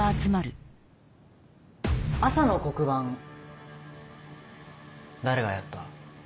朝の黒板誰がやった？